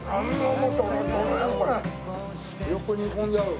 よく煮込んである。